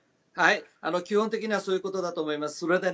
基本的にはそういうことだと思います。